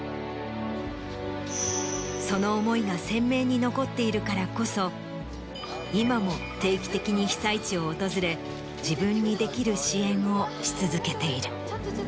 その思いが鮮明に残っているからこそ今も定期的に被災地を訪れ自分にできる支援をし続けている。